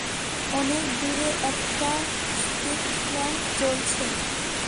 অনেক দূরে একটা স্ট্রীটল্যাম্প জ্বলছে।